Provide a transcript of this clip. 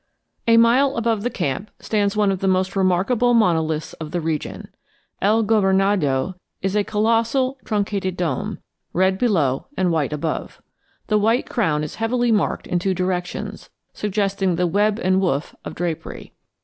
A mile above the camp stands one of the most remarkable monoliths of the region. El Gobernador is a colossal truncated dome, red below and white above. The white crown is heavily marked in two directions, suggesting the web and woof of drapery.